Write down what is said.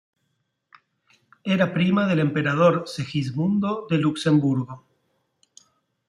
Era prima del Emperador Segismundo de Luxemburgo.